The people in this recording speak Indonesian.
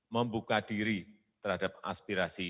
membuka diri terhadap aspirasi